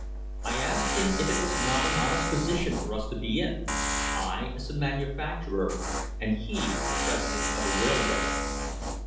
I asked him if that was not an honest position for us to be in; I, as a manufacturer, and he, the president of a railroad.